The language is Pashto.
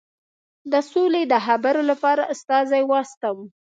د سولي د خبرو لپاره استازی واستاوه.